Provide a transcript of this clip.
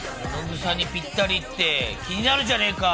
ものぐさにぴったりって、気になるじゃねえか。